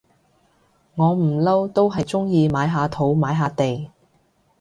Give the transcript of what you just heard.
我不嬲都係中意買下土買下地